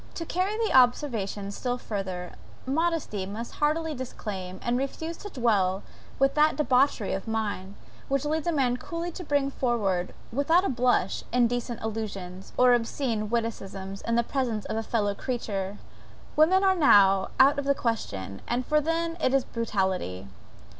To carry the observation still further, modesty must heartily disclaim, and refuse to dwell with that debauchery of mind, which leads a man coolly to bring forward, without a blush, indecent allusions, or obscene witticisms, in the presence of a fellow creature; women are now out of the question, for then it is brutality.